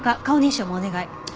顔認証もお願い。